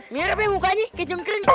mirip ya mukanya ke cungkring